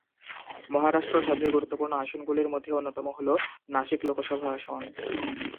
মহারাষ্ট্র সবচেয়ে গুরুত্বপূর্ণ আসনগুলির মধ্যে অন্যতম হল নাসিক লোকসভা আসন।